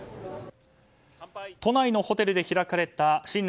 都内のホテルで開かれた新年